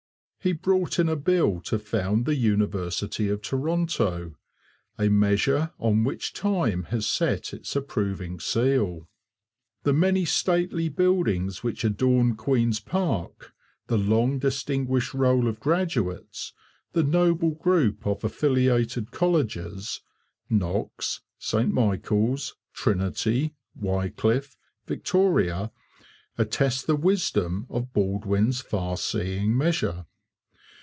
He brought in a bill to found the University of Toronto, a measure on which time has set its approving seal. The many stately buildings which adorn Queen's Park, the long distinguished roll of graduates, the noble group of affiliated colleges, Knox, St Michael's, Trinity, Wycliffe, Victoria, attest the wisdom of Baldwin's far seeing measure.